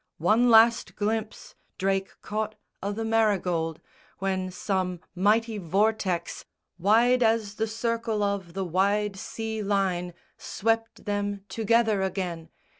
One last glimpse Drake caught o' the Marygold, when some mighty vortex Wide as the circle of the wide sea line Swept them together again.